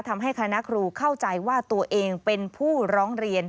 ทำให้คณะครูเข้าใจว่าตัวเองเป็นผู้ร้องเรียน